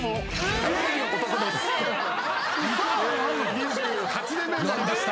２８年目になりました。